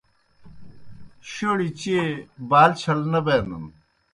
شوڑیْ چیئے بال چھل نہ بینَن۔